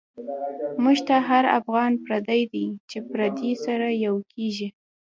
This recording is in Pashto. مونږ ته هر افغان پردۍ دۍ، چی پردی سره یو کیږی